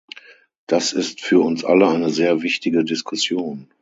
Das ist für uns alle eine sehr wichtige Diskussion.